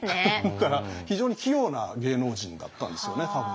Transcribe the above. だから非常に器用な芸能人だったんですよね多分。